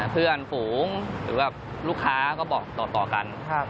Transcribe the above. เพื่อนฝูงหรือแบบลูกค้าก็บอกต่อกัน